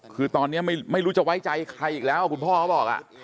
คือตอนนี้ไม่รู้จะไว้ใจใครอีกแล้วคุณพ่อเขาบอก